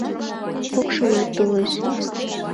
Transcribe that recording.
Покшымат толеш.